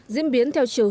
diễn biến theo trường hợp